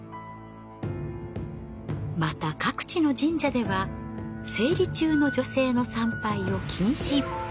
また各地の神社では「生理中の女性の参拝を禁止」。